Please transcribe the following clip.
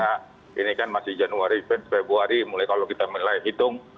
dari ppkm mikro masih pendek ya karena ini kan masih januari februari mulai kalau kita menilai hitung